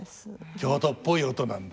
京都っぽい音なんだ